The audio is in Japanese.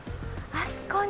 あそこに。